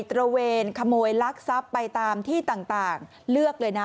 ตระเวนขโมยลักทรัพย์ไปตามที่ต่างเลือกเลยนะ